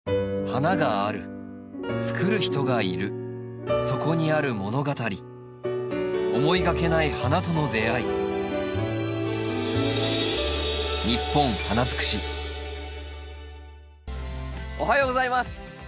花があるつくる人がいるそこにある物語思いがけない花との出会いおはようございます。